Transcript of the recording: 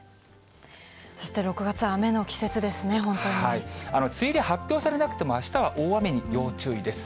そして６月は雨の季節ですね、梅雨入り発表されなくても、あしたは大雨に要注意です。